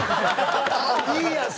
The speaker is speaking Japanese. いいやん。